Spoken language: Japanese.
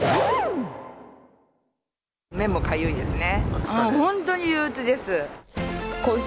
目もかゆいですね。